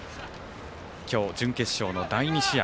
今日、準決勝の第２試合。